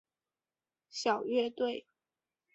小乐队。